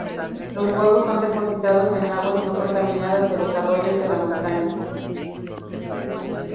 Los huevos son depositados en aguas no contaminadas de los arroyos de la montaña.